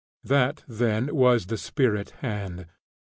That, then, was the spirit hand!